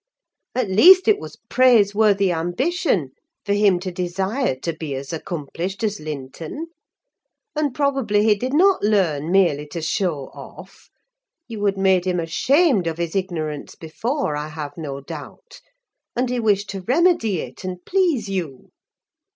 At least, it was praiseworthy ambition for him to desire to be as accomplished as Linton; and probably he did not learn merely to show off: you had made him ashamed of his ignorance before, I have no doubt; and he wished to remedy it and please you.